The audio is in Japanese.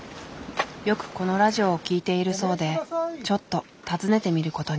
よくこのラジオを聴いているそうでちょっと訪ねてみることに。